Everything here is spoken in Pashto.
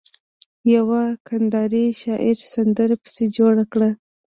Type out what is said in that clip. يوه کنداري شاعر سندره پسې جوړه کړه.